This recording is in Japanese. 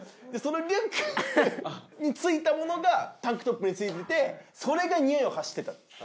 でそのリュックについたものがタンクトップについててそれが臭いを発してたの。